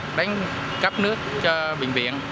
đã đánh cấp nước cho bệnh viện